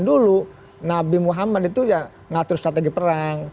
dulu nabi muhammad itu ya ngatur strategi perang